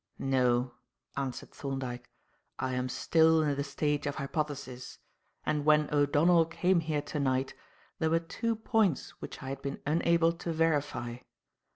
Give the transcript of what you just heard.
"No," answered Thorndyke. "I am still in the stage of hypothesis; and when O'Donnell came here to night there were two points which I had been unable to verify.